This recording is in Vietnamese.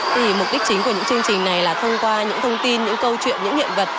thì mục đích chính của những chương trình này là thông qua những thông tin những câu chuyện những hiện vật